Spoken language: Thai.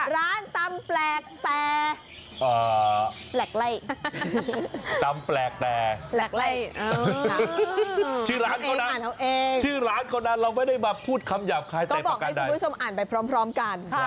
เราบอกให้คุณผู้ชมอ่านไปพร้อมกัน